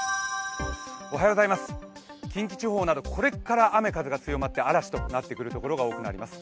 近畿地方などこれから雨・風が強くなって嵐となってくるところが多くなってきます。